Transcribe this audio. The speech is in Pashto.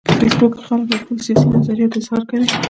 په فېسبوک کې خلک د خپلو سیاسي نظریاتو اظهار کوي